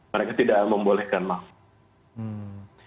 mereka tidak membolehkan masuk